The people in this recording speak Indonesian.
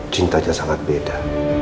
cintanya sangat beda